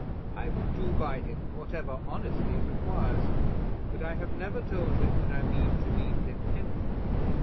I would do by him whatever honesty requires; but I have never told him that I mean to leave him anything.